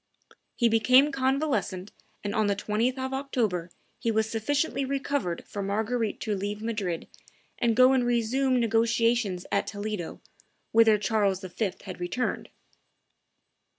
He became convalescent, and on the 20th of October he was sufficiently recovered for Marguerite to leave Madrid, and go and resume negotiations at Toledo, whither Charles V. had returned.